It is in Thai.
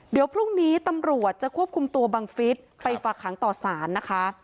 เดี๋ยวพรุ่งนี้ตำรวจจะควบคุมตัวบังฟิศไปฝากหางต่อสารนะคะ